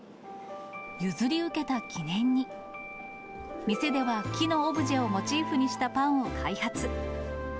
譲り受けた記念に、店では、木のオブジェをモチーフにしたパンを開発。